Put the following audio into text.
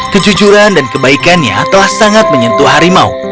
kejujuran dan kebaikannya telah sangat menyentuh harimau